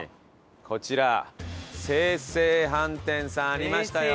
こちら晴々飯店さんありましたよ。